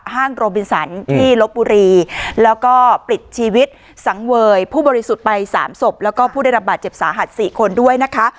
ห้างโรบินสันที่ลบบุรีแล้วก็ปลิดชีวิตสังเวยผู้บริสุทธิ์ไปสามศพแล้วก็ผู้ได้รับบาดเจ็บสาหัส๔คนด้วยนะคะ